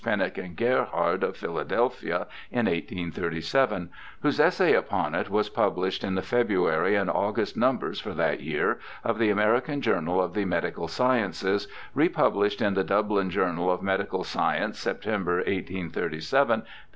Pennock and Gerhard, of Philadelphia, in 1837, whose essay upon it was pub lished in the February and August numbers for that year of the American Journal of the Medical Sciences, republished in the Dublin Journal of Medical Science, September, 1837, p.